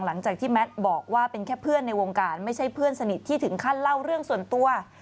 หลังจากที่แมทบอกว่าเป็นแค่เพื่อนในวงการไม่ใช่เพื่อนสนิทที่ถึงขั้นเล่าเรื่องส่วนตัว